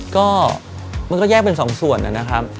ก็มันก็แยกเป็นสองส่วนนะครับ